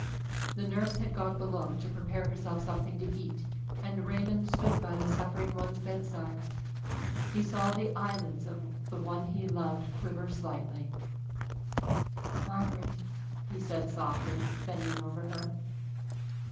The nurse had gone below to prepare herself something to eat, and Raymond stood by the suffering one's bedside. He saw the eyelids of the one he loved quiver slightly. "Margaret!" he said softly, bending over her.